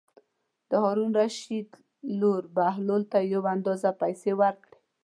د خلیفه هارون الرشید لور بهلول ته یو اندازه پېسې ورکړې.